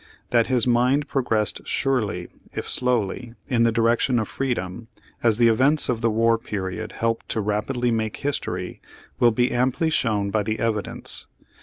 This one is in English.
That his mind progressed surely, if slowly, in the direction of freedom, as the events of the war period helped to rapidly make history, will be amply shown by the evidence.